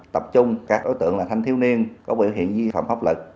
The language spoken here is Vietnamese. tập trung các đối tượng là thanh thiếu niên có biểu hiện vi phạm pháp lực